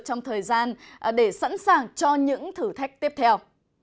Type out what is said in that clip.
trong thời gian để sẵn sàng cho những thử thách tiếp theo